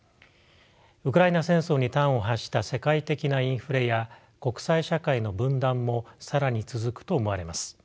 ウクライナ戦争に端を発した世界的なインフレや国際社会の分断も更に続くと思われます。